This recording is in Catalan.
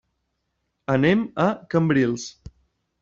Anem a Cambrils.